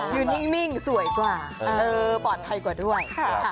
อยู่นิ่งสวยกว่าปลอดภัยกว่าด้วย